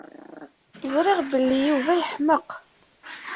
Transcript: Ẓriɣ belli Yuba yeḥmeq.